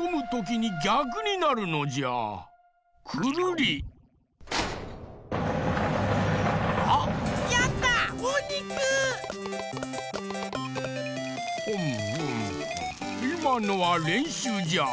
もぐもぐいまのはれんしゅうじゃ。わ！